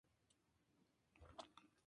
X, Shiva: el guardaespaldas de Mr.